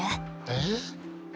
えっ。